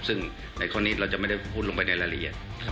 ซึ่งในข้อนี้เราจะไม่ได้พูดลงไปในรายละเอียด